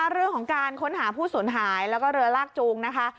เรื่องของการค้นหาผู้สูญหายแล้วก็เรือลากจูงนะคะ